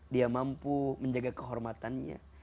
dia mampu menjaga kehormatannya